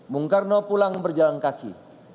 bung karno pulang berjalan kaki